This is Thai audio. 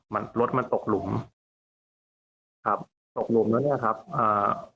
มันรถมันตกหลุมครับตกหลุมแล้วเนี้ยครับอ่า